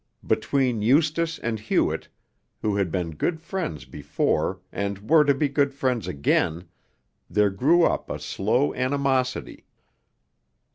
Between Eustace and Hewett, who had been good friends before and were to be good friends again, there grew up a slow animosity.